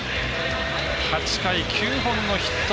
８回、９本のヒット。